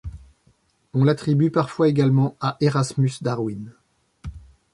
On l'attribue parfois également à Erasmus Darwin.